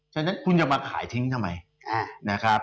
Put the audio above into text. ฉะนั้นคุณจะมาขายทิ้งทำไมนะครับ